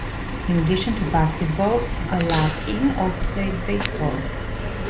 In addition to basketball, Gallatin also played baseball.